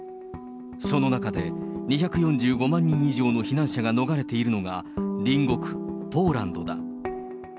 その中で、２４５万人以上の避難者が逃れているのが、隣国ポーランドだ。